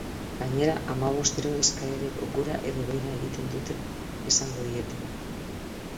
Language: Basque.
Gainera, hamabostero eskaerek gora edo behera egiten duten esango diete.